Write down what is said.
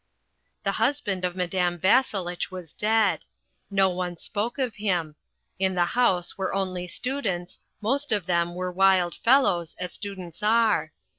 The husband of Madame Vasselitch was dead. No one spoke of him. In the house were only students, Most of them were wild fellows, as students are.